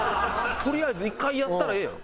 とりあえず１回やったらええやん。